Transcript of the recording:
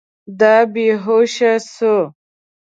دا بې هوشه سو.